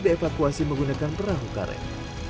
dievakuasi menggunakan perahu karet